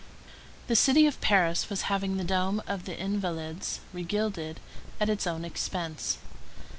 The city of Paris was having the dome of the Invalides regilded at its own expense.